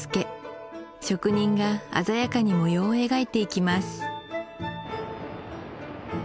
職人が鮮やかに模様を描いていきます